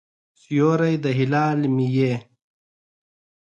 سیوری د هلال مې یې